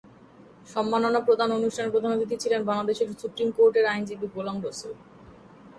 সম্মাননা প্রদান অনুষ্ঠানে প্রধান অতিথি ছিলেন বাংলাদেশ সুপ্রিম কোর্টের আইনজীবী গোলাম রছুল।